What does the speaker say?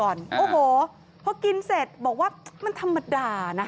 โอ้โหพอกินเสร็จบอกว่ามันธรรมดานะคะ